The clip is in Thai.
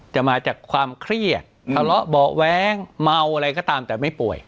มาจากความเครียดทะเลาะเบาะแว้งเมาอะไรก็ตามแต่ไม่ป่วย